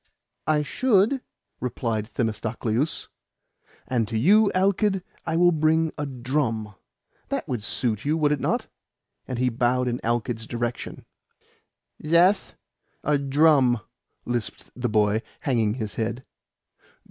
"I should," replied Themistocleus. "And to you, Alkid, I will bring a drum. That would suit you, would it not?" And he bowed in Alkid's direction. "Zeth a drum," lisped the boy, hanging his head.